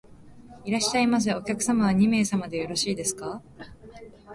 いらっしゃいませ。お客様は二名様でよろしいですか？